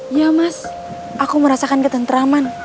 iya mas aku merasakan ketentraman